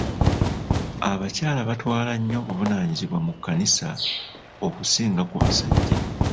Abakyala batwala nnyo obuvunaanyizibwa mu kkanisa okusinga ku basajja.